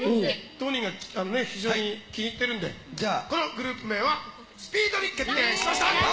当人が非常に気に入っているんで、このグループ名はＳＰＥＥＤに決定しました。